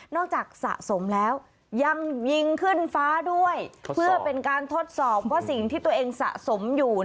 สะสมแล้วยังยิงขึ้นฟ้าด้วยเพื่อเป็นการทดสอบว่าสิ่งที่ตัวเองสะสมอยู่